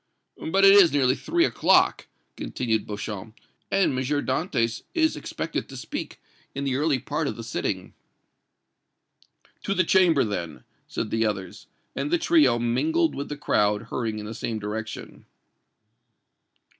But it is nearly three o'clock," continued Beauchamp, "and M. Dantès is expected to speak in the early part of the sitting." "To the Chamber, then," said the others, and the trio mingled with the crowd hurrying in the same direction.